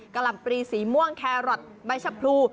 หล่ำปรีสีม่วงแครอทใบชะพรู